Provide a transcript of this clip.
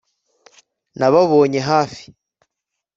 nababonye hafi